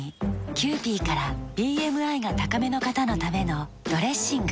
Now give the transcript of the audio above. キユーピーからＢＭＩが高めの方のためのドレッシング。